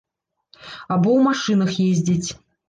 Або ў машынах ездзіць.